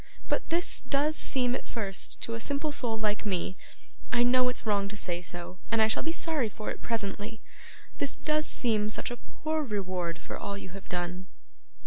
but this does seem at first to a simple soul like me I know it's wrong to say so, and I shall be sorry for it presently this does seem such a poor reward for all you have done.